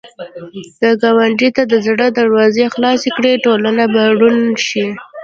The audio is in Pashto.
که ګاونډي ته د زړه دروازې خلاصې کړې، ټولنه به روڼ شي